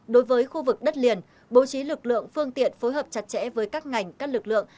đối với khu vực đất liền bố trí lực lượng phương tiện phối hợp chặt chẽ với các ngành các lực lượng